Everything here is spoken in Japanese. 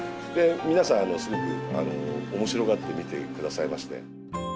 皆さん、すごくおもしろがって見てくださいまして。